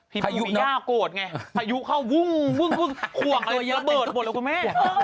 ภีปูพีย่าโกรธไงพายุเขาวุ่งวุ่งคว่องอะไรระเบิดหมดเลยคุณแม่